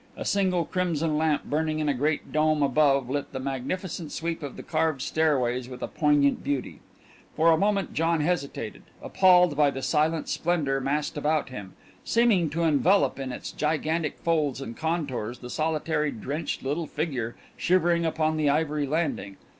A single crimson lamp burning in a great dome above lit the magnificent sweep of the carved stairways with a poignant beauty. For a moment John hesitated, appalled by the silent splendour massed about him, seeming to envelop in its gigantic folds and contours the solitary drenched little figure shivering upon the ivory landing.